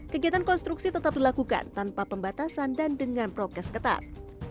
kegiatan konstruksi tetap dilakukan tanpa pembatasan dan dengan prokes ketat